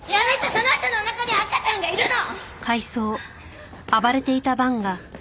その人のおなかには赤ちゃんがいるの！！